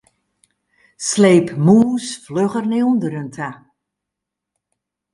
Sleep mûs flugger nei ûnderen ta.